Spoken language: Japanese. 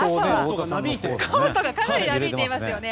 コートがかなりなびいていますよね。